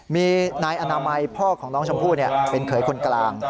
มีนายอนามัยพ่อของน้องชมพู่เป็นเขยคนกลาง